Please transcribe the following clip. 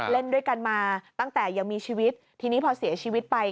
เล่นด้วยกันมาตั้งแต่ยังมีชีวิตทีนี้พอเสียชีวิตไป